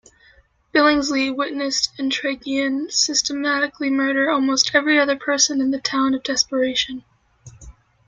Billingsley witnessed Entragian systematically murder almost every other person in the town of Desperation.